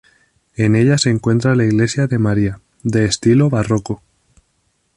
En ella se encuentra la Iglesia de María, de estilo barroco.